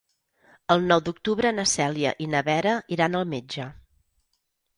El nou d'octubre na Cèlia i na Vera iran al metge.